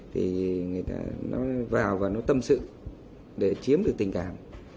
thì người ta vào và tâm sự để chiếm được tình cảm